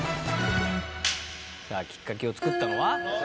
「さあきっかけを作ったのは？」